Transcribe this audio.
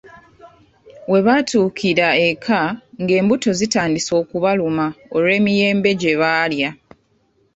Webaatuukira eka nga n’embuto zitandise okubaluma olw’emiyembe gye baalya.